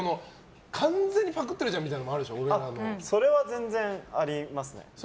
完全にパクってるじゃんみたいなのはそれは全然、ありますね。